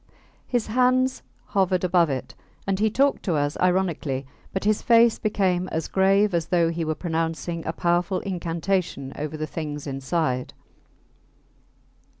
His hands hovered above it; and he talked to us ironically, but his face became as grave as though he were pronouncing a powerful incantation over the things inside.